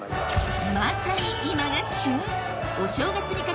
まさに今が旬！